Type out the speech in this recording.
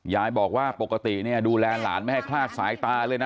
ยายบอกว่าปกติเนี่ยดูแลหลานไม่ให้คลาดสายตาเลยนะ